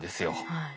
はい。